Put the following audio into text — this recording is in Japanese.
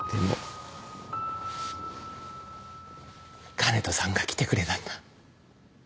香音人さんが来てくれたんだ。